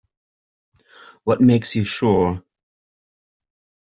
What makes you sure?